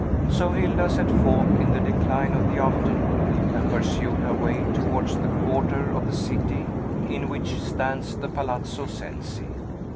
So Hilda set forth in the decline of the afternoon, and pursued her way towards the quarter of the city in which stands the Palazzo Cenci.